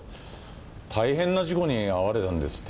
大変な事故に遭われたんですって？